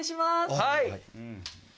はい。